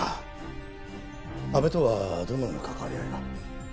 阿部とはどのような関わり合いが？